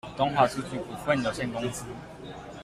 東華書局股份有限公司